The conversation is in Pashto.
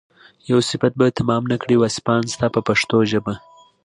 یو صفت به تمام نه کړي واصفان ستا په پښتو ژبه.